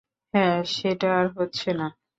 হ্যাঁ, সেটা আর হচ্ছে না।